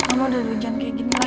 kamu udah hujan kayak gini lagi